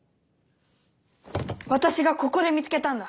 私がここで見つけたんだ！